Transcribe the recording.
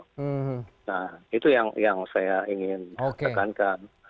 nah itu yang saya ingin tekankan